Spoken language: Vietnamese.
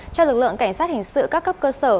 cho lực lượng cảnh sát hình sự các cấp cơ sở